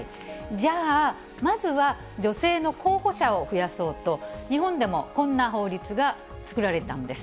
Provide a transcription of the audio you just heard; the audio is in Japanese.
じゃあ、まずは女性の候補者を増やそうと、日本でもこんな法律が作られたんです。